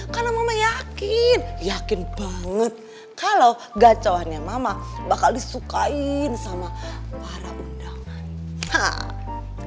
karena mama yakin yakin banget kalau gacauannya mama bakal disukain sama para undangan